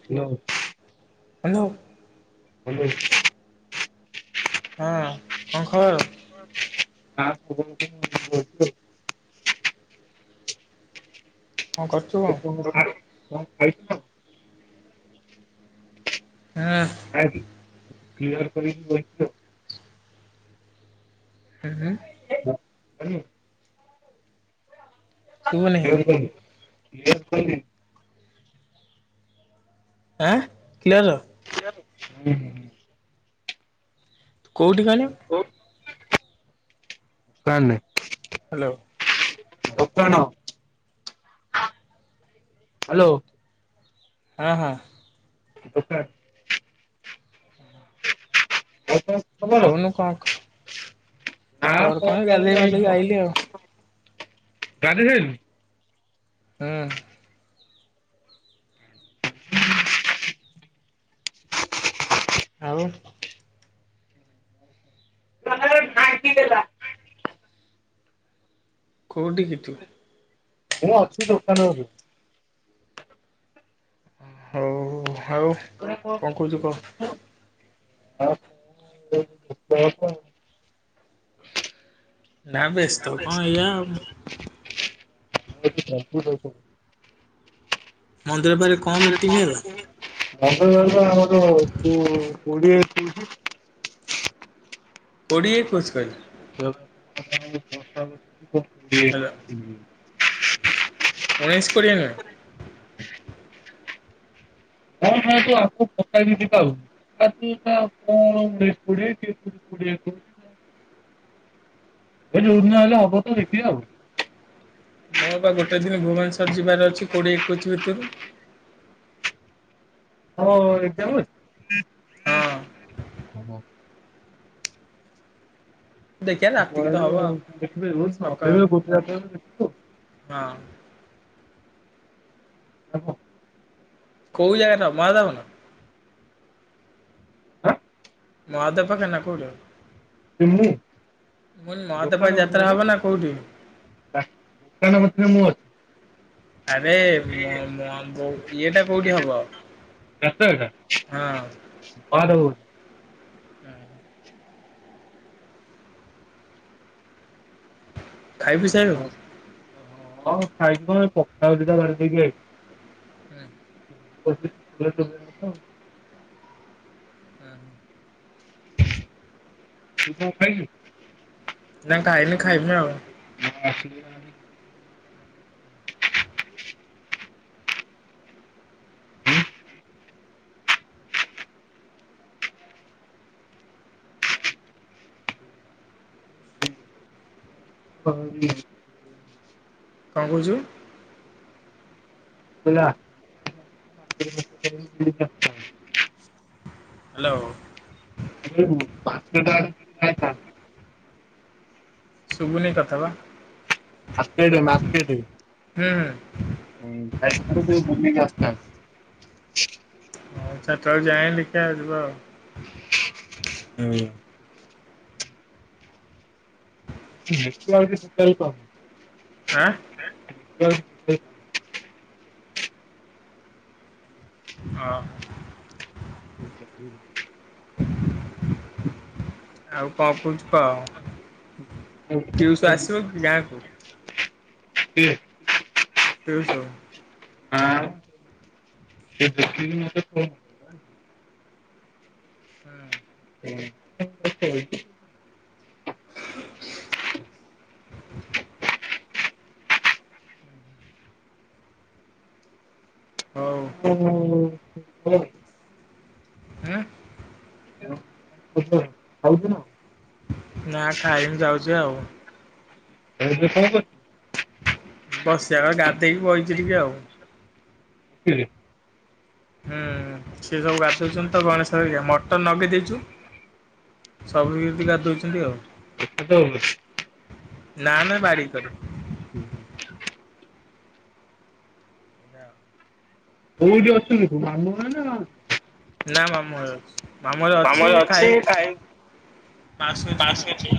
[unintelligible] Hello. [unintelligible] ହଁ କଣ ଖବର? [unintelligible] କଣ କରୁଛୁ କଣ? [unintelligible] କଣ ଖାଇଚ? ହଁ। ଆଜି [unintelligible] କରିକି କହିଥିଲ। ହୁଁ ହୁଁ। କଲୁ। ଶୁଭୁନି [unintelligible] ଆଁ କ୍ଲିଅରର ହୁଁ। କୋଉଠି କହନି? ପ୍ଲାନ୍ ନାହିଁ। ହ୍ୟାଲୋ। ଦୋକାନ। ହ୍ୟାଲୋ। ହଁ ହଁ। [unintelligible] ଆଉ କଣ ଖବର? କହୁନୁ କ ନା ଖବର କଣ ଏଇ ଖବର ଗାଧେଇ ଫାଧେଇ କି ବସିଚି। ଆଇଲି ଆଉ। ଗାଧେଇ ସାଇଲୁଣି। ହୁଁ। ଆଉ [unintelligible] [unintelligible] କୋଉଠି କି ତୁ? ମୁଁ ଅଛି ଦୋକାନରେ ଏବେ। ହଉ ଆଉ କଣ କହୁଛୁ କହ? ନା ବ୍ୟସ୍ତ କଣ ଏଇଆ। [unintelligible] ମନ୍ଦିର ପାଖରେ କଣ ମିଟିଂ ହେଲା? [unintelligible] ଆମର କୋ କୋଡିଏ ଟ୍ରିପ କୋଡିଏ ଏକଉଷି [unintelligible] [inaudible] [inaudible] ହେଲା ଉଣେଇଶ କୋଡିଏ ନୁହେଁ ହଁ, ହଁ ତୁ ଆକୁ [unintelligible] ଏବେ ଯୋଉଦିନ ହେଲେ ହବ ତ ରେଡି ଆଉ। ମୋର ବା ଗୋଟେ ଦିନ ଭୁବନେଶ୍ଵର ଯିବାର ଅଛି କୋଡିଏ ଏକୋଇଚି ଭିତରେ। ହଁ ଏକଜାମ ଅଛି। ହଁ। ଦେଖିବା ରାତିକି ତ ହବ ଆଉ ସକାଳ [unintelligible] ହଁ। ଆ ହଁ। କୋଉ ଜାଗାଟା ମାହାଧାବନ। ମହାଦେବ ପାଖେ ନା କଉଠେ? ମୁଁ କହିଲି ମହାଦେବ ପାଖେ ଦୋକାନ ଯାତ୍ରା କତିରେ ହବ ପା। ନା କୋଉଠି? ଦୋକାନ କତିରେ ମୁଁ ଅଛି। ଆରେ ମୁଁଅ ମୁଁଅ ମୁ ଇଏଟା କୋଉଠି ହବ। ହଁ [unintelligible] ହୁଁ। ଖାଇ ପିଇ ସାଇଲୁଣୁ? ହଁ ଖାଇଥିଲି ଏ ପଖାଳ ଦିଟା ଘରେ ଖାଇକି ଆଇଚି। [unintelligible] ତୁ କଣ ଖାଇଲୁ। ନା ଖାଇନି ଖାଇବି ଆଉ। ମୁଁ ଆସିଯି ମାର୍କେଟ। [inaudible] [inaudible] ମାର୍କେଟ [inaudible] [inaudible] କଣ କହୁଛୁ? [unintelligible] ନାଁ [unintelligible] ହାଲୋ। ପାଞ୍ଚ ଟା ଆଡକୁ ଯାଇଥାନ୍ତେ। ଶୁଭୁନି କଥା ବା। Market market. ହୁଁ, ହୁଁ। ହୁଁ ଖାଇ ସାରେ ତୁ- ବୁଲିକି ଆସିଥାନ୍ତେ। ଚାରିଟାବେଳୁ ଯାଏଁ ଦେଖିଆ ଯିବା ଆଉ। ହୁଁ। [unintelligible] ସକାଳୁ ତ ଆଁ। [inaudible] ଅ ହ। [unintelligible] ଆଉ କଣ କହୁଛୁ କହ? ପିଉସ ଆସିବ କି ଗାଁକୁ? କିଏ। ପିୟୁଷ। ଆଁ ସେ ଦେଖିକି ନହେଲେ କହୁ। ହୁଁ। ହୁଁଛି [unintelligible] ହ [unintelligible] [inaudible] ହଉ ହଁ [unintelligible] ଉଁ ଛ ଖାଉଛି ନା [inaudible] ନା ଖାଇନି ଯାଉଛି ଆଉ। ଆଉ ଏବେ କଣ କରୁଛୁ? ବସିବା କଥା ଗାଧେଇକି ବଇଛି ଟିକେ ଆଉ। ଏରେ [inaudible] ହୁଁ ସିଏ ସବୁ ଗାଧଉଛନ୍ତି ତ ଗଣେଶହରିକା ମଟନ୍ ନଗେଇ ଦେଇଛୁ। ସବୁତି ଗାଧୋଇଛନ୍ତି ଆଉ। ନା ନା ବାଡି କରେ। ହୁଁ ହୁଁ। କୋଉଠି ଅଛନ୍ତି କୋ ମାମୁ [unintelligible] ନା ମାମୁଁ ହରେ ମାମୁଁହରେ ଅଛି ଖାଇ। ପାଶୂଛି ମାଉସୀ ଅଛି।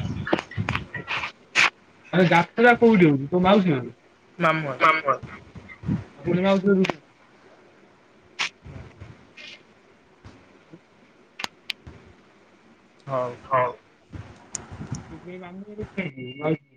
ଯାତ୍ରା କୋଉଠି ହଉଛି ତୁ ମାଉସୀ ସରୁ। ମାମୁଁ ହରେ। ପୁଣି ମାଉସୀ ଘରୁ ଯିବୁ। ହଉ। ହଉ [unintelligible]